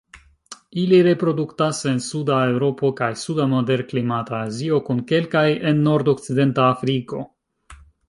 Ili reproduktas en suda Eŭropo kaj suda moderklimata Azio kun kelkaj en nordokcidenta Afriko.